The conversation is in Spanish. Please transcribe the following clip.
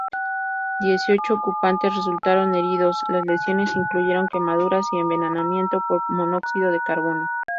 Dieciocho ocupantes resultaron heridos; las lesiones incluyeron quemaduras y envenenamiento por monóxido de carbono.